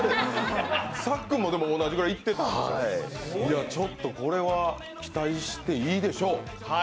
さっくんも同じぐらいいってた、ちょっとこれは期待していいでしょう。